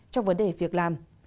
trong vấn đề việc làm